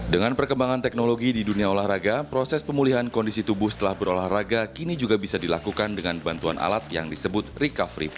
dengan perkembangan teknologi di dunia olahraga proses pemulihan kondisi tubuh setelah berolahraga kini juga bisa dilakukan dengan bantuan alat yang disebut recovery